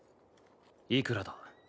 いくらだ？